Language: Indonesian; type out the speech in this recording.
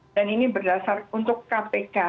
dan ini berdasarkan untuk kpk